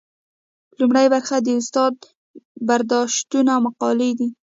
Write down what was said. لومړۍ برخه کې د استاد برداشتونه او مقالې دي.